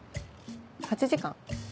８時間？